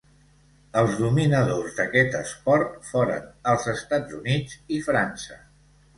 Els dominadors d'aquest esport foren els Estats Units i França.